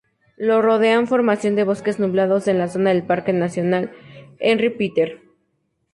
Lo rodean formación de bosques nublados en la zona del Parque Nacional Henri Pittier.